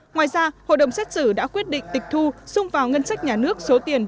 ngoài ra hội đồng xét xử đã quyết định tịch thu xung vào ngân sách nhà nước số tiền